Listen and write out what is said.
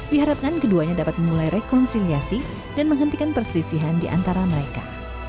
diharapkan keduanya dapat memulai rekonsiliasi dan menghentikan perselisihan di antara mereka